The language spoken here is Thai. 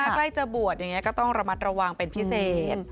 ใกล้จะบวชอย่างนี้ก็ต้องระมัดระวังเป็นพิเศษ